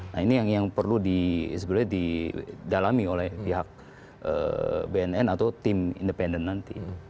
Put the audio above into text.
nah ini yang perlu di sebenarnya didalami oleh pihak bnn atau tim independen nanti